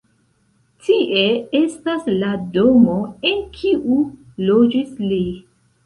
Tie estas la domo, en kiu loĝis li.